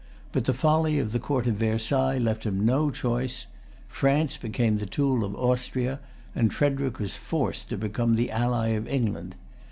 But the folly of the Court of Versailles left him no choice. France became the tool of Austria; and Frederic was forced to become the ally of England.